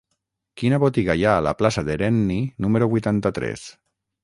Quina botiga hi ha a la plaça d'Herenni número vuitanta-tres?